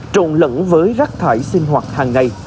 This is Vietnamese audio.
trộn lẫn với rác thải sinh hoạt hàng ngày